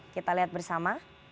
kita lihat bersama